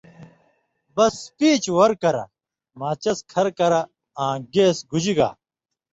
بس پیچ ور کرہ، ماچس کھر کرہ آں گیس گُژی گا